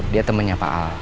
dia temennya pak al